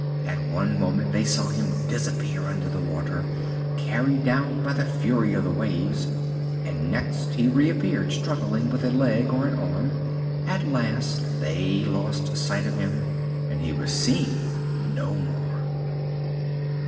At one moment they saw him disappear under the water, carried down by the fury of the waves, and next he reappeared struggling with a leg or an arm. At last they lost sight of him and he was seen no more.